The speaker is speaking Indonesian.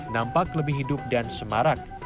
nampak lebih hidup dan semarak